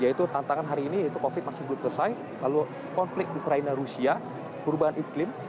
yaitu tantangan hari ini yaitu covid masih belum selesai lalu konflik ukraina rusia perubahan iklim